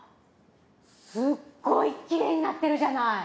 すっごいきれいになってるじゃない！